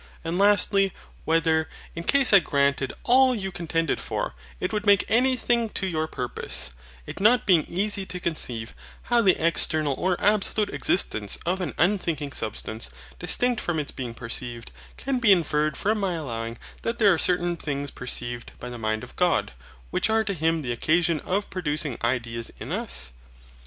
And, lastly, whether, in case I granted all you contend for, it would make anything to your purpose; it not being easy to conceive how the external or absolute existence of an unthinking substance, distinct from its being perceived, can be inferred from my allowing that there are certain things perceived by the mind of God, which are to Him the occasion of producing ideas in us?